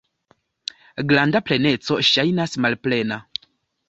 Granda pleneco ŝajnas malplena.